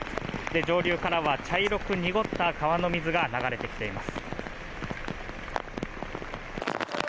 上流からは茶色く濁った川の水が流れてきています。